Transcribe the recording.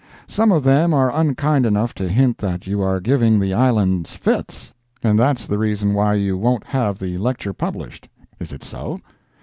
(Some of them are unkind enough to hint that you are giving the Islands fits, and that's the reason why you won't have the lecture published. Is it so?)